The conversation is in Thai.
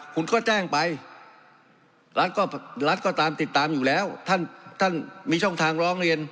คุณก็แจ้งไปรัฐก็รัฐก็ตามติดตามอยู่แล้วท่านมีช่องทางร้องเรียน